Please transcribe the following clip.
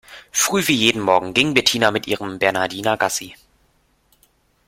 Früh wie jeden Morgen ging Bettina mit ihrem Bernhardiner Gassi.